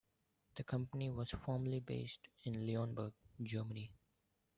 The company was formerly based in Leonberg, Germany.